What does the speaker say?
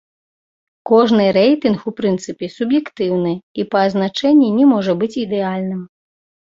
Кожны рэйтынг у прынцыпе суб'ектыўны і па азначэнні не можа быць ідэальным.